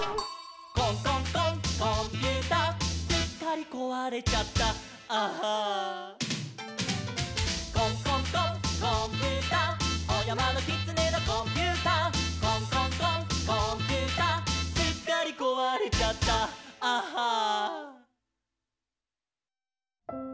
「コンコンコンコンピューター」「すっかりこわれちゃった」「ＡＨＨＡ」「コンコンコンコンーピューター」「おやまのきつねのコンピューター」「コンコンコンコンーピューター」「すっかりこわれちゃった」「ＡＨＨＡ」